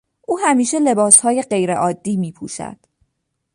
او همیشه لباسهای غیرعادی میپوشد.